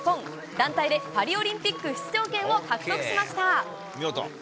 団体でパリオリンピック出場権を獲得しました。